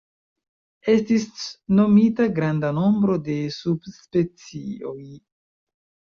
Estis nomita granda nombro de subspecioj.